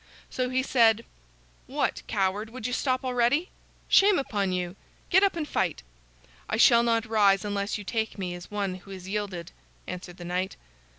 So he said: "What, coward, would you stop already? Shame upon you! Get up and fight." "I shall not rise unless you take me as one who has yielded," answered the knight.